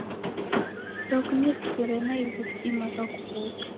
Choo kuniw'usire naighu sidimagha kuw'uka